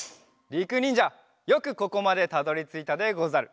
りくにんじゃよくここまでたどりついたでござる。